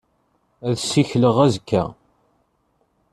Ad ssikleɣ azekka.